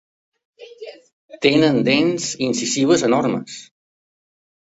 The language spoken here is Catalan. Tenen dents incisives enormes.